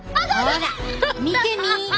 ほら見てみ。